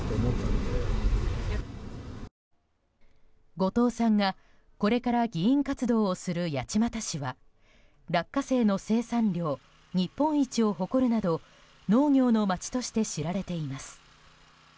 後藤さんがこれから議員活動をする八街市は落花生の生産量日本一を誇るなど農業の街として知られています。